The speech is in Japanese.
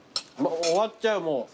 終わっちゃうもう。